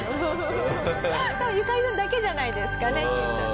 多分ユカリさんだけじゃないですかねきっとね。